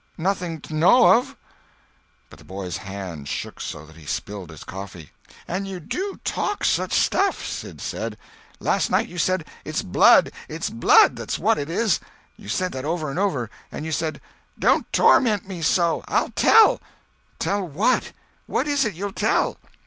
Nothing 't I know of." But the boy's hand shook so that he spilled his coffee. "And you do talk such stuff," Sid said. "Last night you said, 'It's blood, it's blood, that's what it is!' You said that over and over. And you said, 'Don't torment me so—I'll tell!' Tell what? What is it you'll tell?"